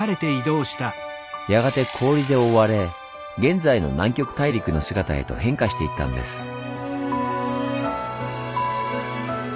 やがて氷で覆われ現在の南極大陸の姿へと変化していったんです。